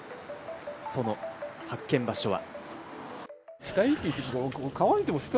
その発見場所は。